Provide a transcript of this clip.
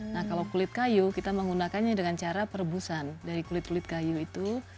nah kalau kulit kayu kita menggunakannya dengan cara perebusan dari kulit kulit kayu itu